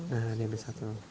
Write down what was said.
nah ini ambil satu